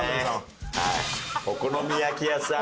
「お好み焼き屋さん」